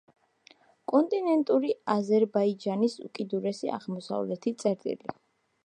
კონტინენტური აზერბაიჯანის უკიდურესი აღმოსავლეთი წერტილი.